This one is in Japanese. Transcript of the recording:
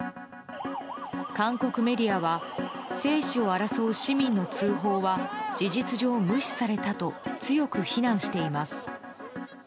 韓国メディアは生死を争う市民の通報は事実上無視されたと強く非難しています。